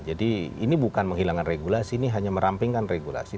jadi ini bukan menghilangkan regulasi ini hanya merampingkan regulasi